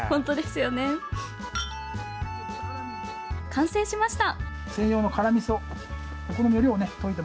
完成しました。